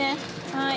はい。